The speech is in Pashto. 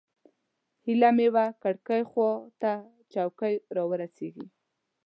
هیله مې وه کړکۍ خوا ته چوکۍ راورسېږي.